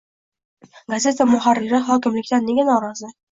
Gazeta muharriri hokimlikdan nega norozi?